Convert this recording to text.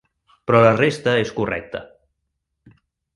Però la resta és correcte.